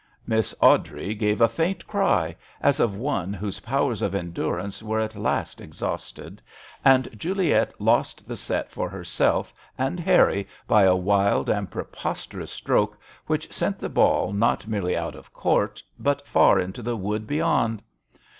Miss Awdrey gave a faint cry, as of one whose powers of endurance were at last ex hausted, and Juliet lost the set for herself and Harry by a wild and preposterous stroke which sent the ball not merely out of court but far into the wood beyond.